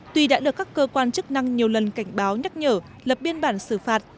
tuy đã được các cơ quan chức năng nhiều lần cảnh báo nhắc nhở lập biên bản xử phạt